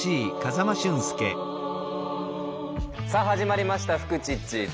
さあ始まりました「フクチッチ」。